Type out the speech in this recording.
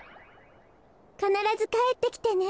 かならずかえってきてね。